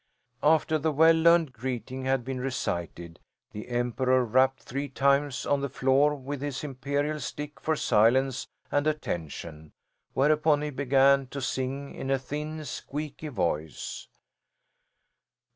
After the well learned greeting had been recited the Emperor rapped three times on the floor with his imperial stick for silence and attention, whereupon he began to sing in a thin, squeaky voice.